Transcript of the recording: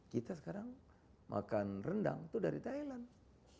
kita sekarang makan rendang itu dari thailand